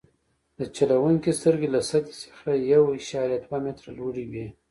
د چلوونکي سترګې له سطحې څخه یو اعشاریه دوه متره لوړې وي